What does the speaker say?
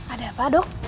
ada apa dok